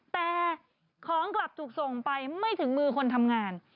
แต่ของกลับถูกส่งไปไม่ถึงมือคนทำงาน